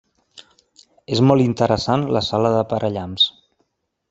És molt interessant la sala de parallamps.